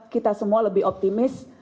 kita semua lebih optimis